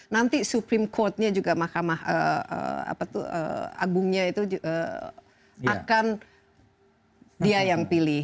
nanti supreme courtnya juga mahkamah agungnya itu akan dia yang pilih